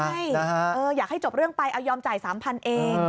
ใช่อยากให้จบเรื่องไปเอายอมจ่าย๓๐๐เอง